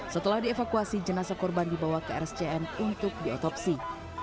setelah dievakuasi jenasa korban dibawa ke rscm untuk diotopsi